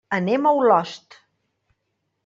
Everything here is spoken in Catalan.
Anem a Olost.